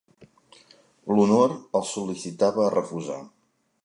L'honor el sol·licitava a refusar.